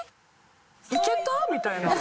いけた？みたいな。